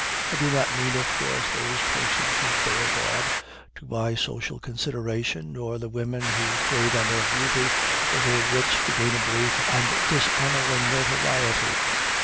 I do not mean, of course, those persons who go abroad to buy social consideration, nor the women who trade on their beauty or their wits to gain a brief and dishonoring notoriety.